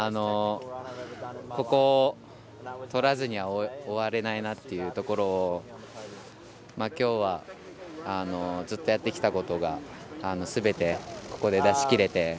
ここをとらずには終われないなっていうところをきょうはずっとやってきたことがすべて、ここで出しきれて。